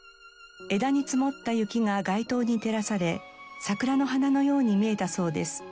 枝に積もった雪が街灯に照らされ桜の花のように見えたそうです。